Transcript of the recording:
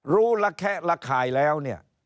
รู้และแคะและขายแล้ว